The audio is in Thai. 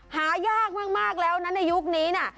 หายากมากแล้วนะในยุคนี้น่ะ